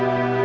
ya udah deh